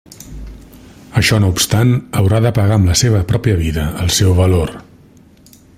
Això no obstant, haurà de pagar amb la seva pròpia vida el seu valor.